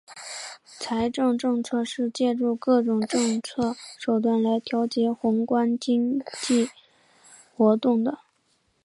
财政政策是借助各种政策手段来调节宏观经济活动的。